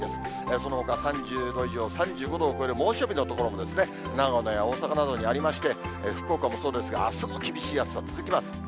そのほか、３０度以上、３５度を超える猛暑日の所も、長野や大阪などにありまして、福岡もそうですが、あすも厳しい暑さ続きます。